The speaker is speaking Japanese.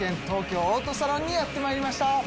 東京オートサロンにやってまいりました。